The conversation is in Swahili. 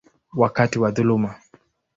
wakati wa dhuluma.